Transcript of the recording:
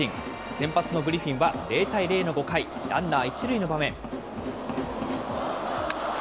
先発のグリフィンは、０対０の５回、ランナー１塁の場面。